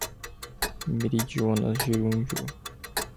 meridionais, gerúndio, intensivo, locutores, lexical, vocábulos, palavras